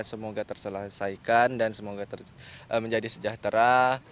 semoga terselesaikan dan semoga menjadi sejahtera